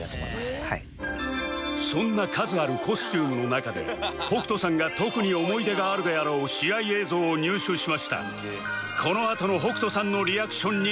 そんな数あるコスチュームの中で北斗さんが特に思い出があるであろう試合映像を入手しました